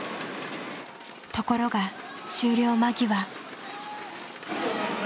ところが終了間際。